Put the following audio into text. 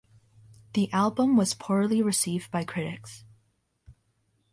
The album was poorly received by critics.